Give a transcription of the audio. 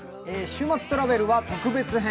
「週末トラベル」は特別編。